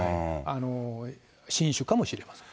新種かもしれません。